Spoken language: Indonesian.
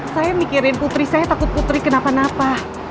saya mikirin putri saya takut putri kenapa napa